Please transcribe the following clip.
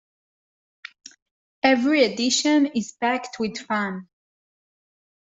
Every edition is packed with fun!